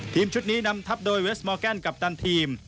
ทีมชุดนี้นำทับโดยเวสมอร์แกนกัปตันทีม